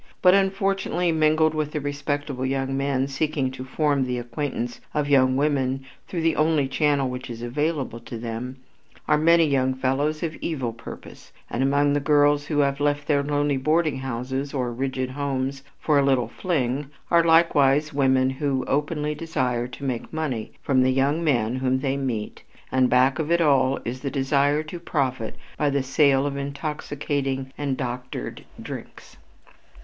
But, unfortunately, mingled with the respectable young men seeking to form the acquaintance of young women through the only channel which is available to them, are many young fellows of evil purpose, and among the girls who have left their lonely boarding houses or rigid homes for a "little fling" are likewise women who openly desire to make money from the young men whom they meet, and back of it all is the desire to profit by the sale of intoxicating and "doctored" drinks.